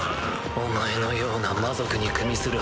お前のような魔族にくみする